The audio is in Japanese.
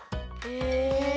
へえ。